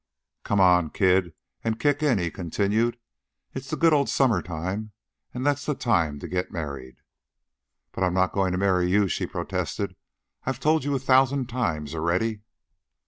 "Come on, kid, an' kick in," he continued. "It's the good old summer time, an' that's the time to get married." "But I'm not going to marry you," she protested. "I've told you a thousand times already."